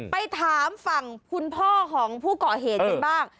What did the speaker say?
ไปถามฝั่งคุณพ่อของผู้ก่อเหตุกันบ้าง